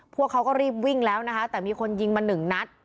พวกเขาก็รีบวิ่งแล้วนะคะแต่มีคนยิงมาหนึ่งนัด